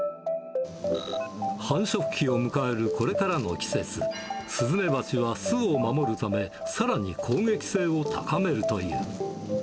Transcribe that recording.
繁殖期を迎えるこれからの季節、スズメバチは巣を守るため、さらに攻撃性を高めるという。